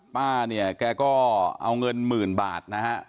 ป้าเนี่ยแกก็เอาเงินหมื่นบาทนะฮะ